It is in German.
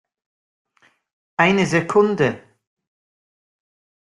Eine Sekunde!